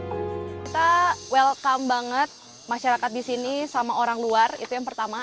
kita welcome banget masyarakat di sini sama orang luar itu yang pertama